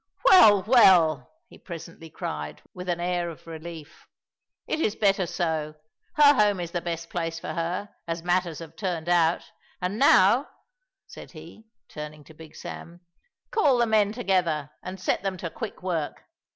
"Well, well!" he presently cried, with an air of relief, "it is better so. Her home is the best place for her, as matters have turned out. And now," said he, turning to Big Sam, "call the men together and set them to quick work.